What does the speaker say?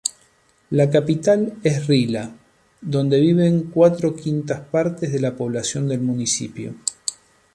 La capital es Rila, donde viven cuatro quintas partes de la población del municipio.